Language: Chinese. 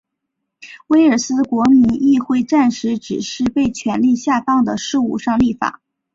威尔斯国民议会暂时只在被权力下放的事务上立法。